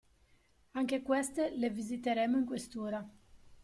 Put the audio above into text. Anche queste le visiteremo in Questura.